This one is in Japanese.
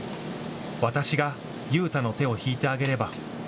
私が悠太の手を引いてあげれば。